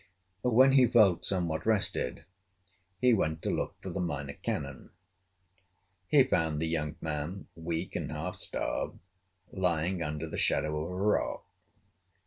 When he felt somewhat rested he went to look for the Minor Canon. He found the young man, weak and half starved, lying under the shadow of a rock.